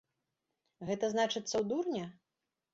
Гэта, значыцца, у дурня?